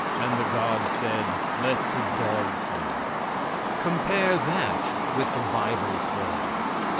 And the god said: "Let the dog follow." Compare that with the bible stories.